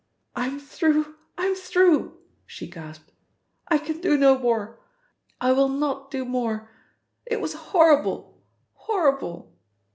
"I'm through, I'm through," she gasped. "I can do no more! I will no do more! It was horrible, horrible!"